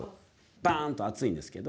パーンと熱いんですけど。